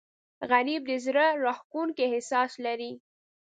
غریب د زړه راښکونکی احساس لري